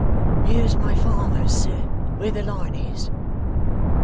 'Here's my father's, sir; where the light is.